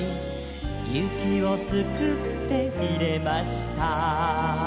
「雪をすくって入れました」